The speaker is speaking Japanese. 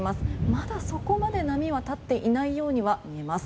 まだそこまで、波は立っていないようには見えます。